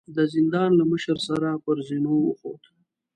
د زندان له مشر سره پر زينو وخوت.